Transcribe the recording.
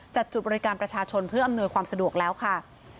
จุดบริการประชาชนเพื่ออำนวยความสะดวกแล้วค่ะ